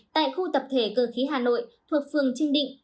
tại khu tập thể cơ khí hà nội thuộc phường trương định